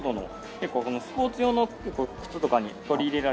結構スポーツ用の靴とかに取り入れられて。